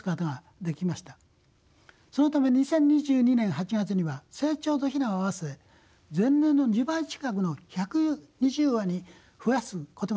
そのため２０２２年８月には成鳥と雛を合わせ前年の２倍近くの１２０羽に増やすことができたのです。